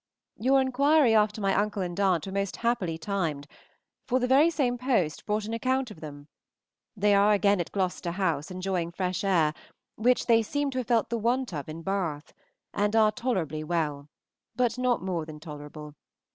Your inquiry after my uncle and aunt were most happily timed, for the very same post brought an account of them. They are again at Gloucester House enjoying fresh air, which they seem to have felt the want of in Bath, and are tolerably well, but not more than tolerable.